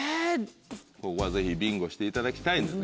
ここはぜひビンゴしていただきたい。